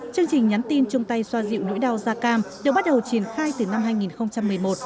chương trình nhắn tin chung tay xoa dịu nỗi đau da cam được bắt đầu triển khai từ năm hai nghìn một mươi một